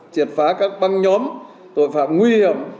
triệt phá các băng nhóm tội phạm nguy hiểm